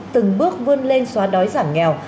từng bước vươn lên xóa đói giảm nghèo